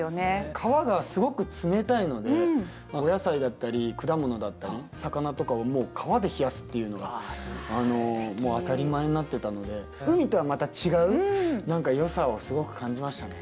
川がすごく冷たいのでお野菜だったり果物だったり魚とかをもう川で冷やすっていうのがもう当たり前になってたので海とはまた違う何かよさをすごく感じましたね。